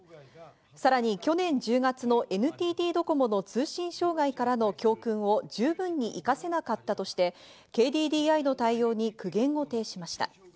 さらに去年１０月のＮＴＴドコモの通信障害からの教訓を十分に生かせなかったとして、ＫＤＤＩの対応に苦言を呈しました。